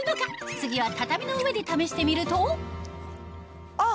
次は畳の上で試してみるとあっ！